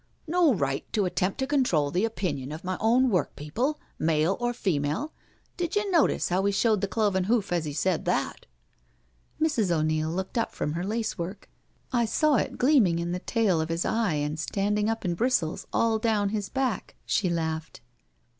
No right to attempt to control the opinions of my own workpeople—male or female I Did you notice how he showed the cloven hoof as he said that?" Mrs. O'Neil looked up from her lace work. " I saw it gleaming in the tail of his eye and standing up in bristles all down his back/' she laughed.